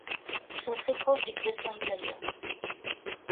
Ils sont très proches des gressins italiens.